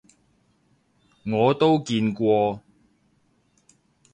我都見過